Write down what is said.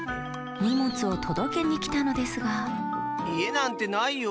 にもつをとどけにきたのですがいえなんてないよ。